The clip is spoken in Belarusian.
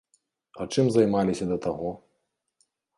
А чым займаліся да таго?